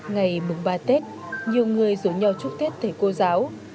ngày mùng ba tết nhiều người rủ nhau chúc tết thầy cô giáo